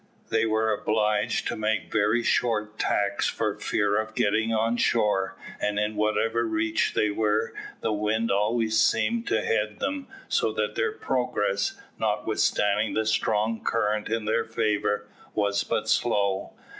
They were obliged to make very short tacks for fear of getting on shore, and in whatever reach they were the wind always seemed to head them, so that their progress, notwithstanding the strong current in their favour, was but slow.